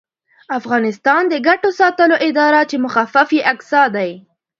افغانستان د ګټو ساتلو اداره چې مخفف یې اګسا دی